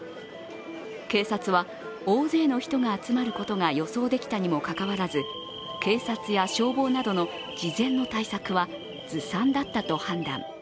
警察は、大勢の人が集まることが予想できたにもかかわらず、警察や消防などの事前の対策はずさんだったと判断。